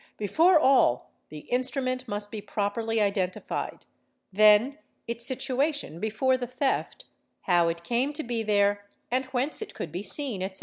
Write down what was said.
Before all, the instrument must be properly identified, ther 7 HOUSEBREAKING—GENERAL 718 its situation before the theft, how it came to be there and whence it could be seen, etc.